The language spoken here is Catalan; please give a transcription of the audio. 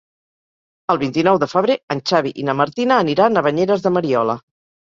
El vint-i-nou de febrer en Xavi i na Martina aniran a Banyeres de Mariola.